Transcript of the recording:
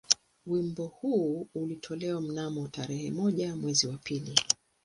Wimbo huu ulitolewa mnamo tarehe moja mwezi wa pili